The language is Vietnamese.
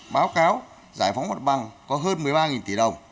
báo cáo giải phóng mặt bằng có hơn một mươi ba tỷ đồng